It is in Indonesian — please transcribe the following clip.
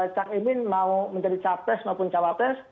cak imin mau menjadi capres maupun cawapres